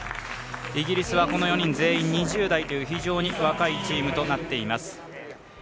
イギリスはこの４人全員２０代という非常に若いチームとなっています。